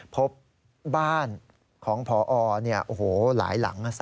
พบบ้านของพอเนี่ยโอ้โหหลายหลัง